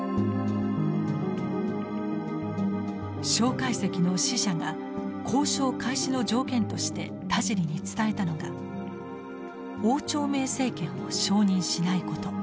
介石の使者が交渉開始の条件として田尻に伝えたのが汪兆銘政権を承認しないこと。